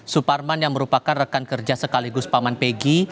suparman yang merupakan rekan kerja sekaligus paman pegi